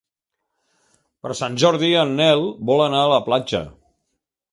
Per Sant Jordi en Nel vol anar a la platja.